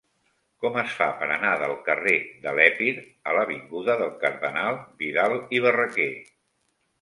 Com es fa per anar del carrer de l'Epir a l'avinguda del Cardenal Vidal i Barraquer?